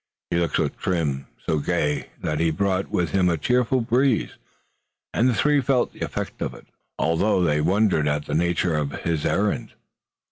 He looked so trim and so gay that he brought with him a cheerful breeze, and the three felt the effect of it, although they wondered at the nature of his errand there.